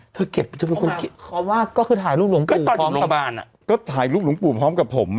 เธอเก็บความว่าก็คือถ่ายรูปหลวงปู่ตอนอยู่โรงพยาบาลอ่ะก็ถ่ายรูปหลวงปู่พร้อมกับผมอ่ะ